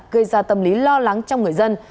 gây ra tâm lý lo lắng trong người dân